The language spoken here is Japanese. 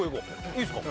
いいっすか？